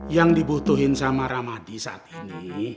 yang dibutuhin sama ramadi saat ini